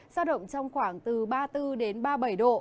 giao động trong khoảng từ ba mươi bốn đến ba mươi bảy độ